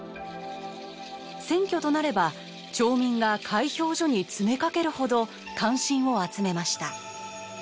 選挙となれば町民が開票所に詰めかけるほど関心を集めました。